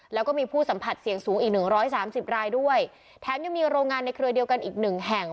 แล้วก็มีผู้สัมผัสเสี่ยงสูงอีก๑๓๐รายด้วยแถมยังมีโรงงานในเครือเดียวกันอีก๑แห่ง